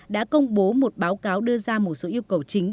đã công bố một báo cáo đưa ra một số yêu cầu chính